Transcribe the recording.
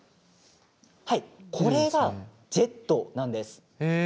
これがジェットなんです。